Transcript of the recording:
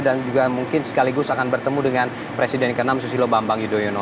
dan juga mungkin sekaligus akan bertemu dengan presiden ke enam susilo bambang yudhoyono